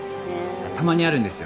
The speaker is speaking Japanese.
たまにあるんですよ